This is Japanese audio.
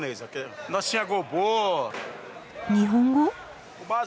日本語？